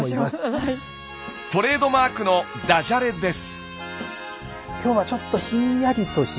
トレードマークのダジャレです。